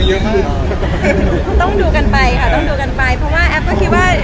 ต้องดูกันไปค่ะต้องดูกันไปเพราะว่าแอฟก็คิดว่า